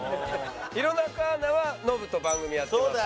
弘中アナはノブと番組やってますね。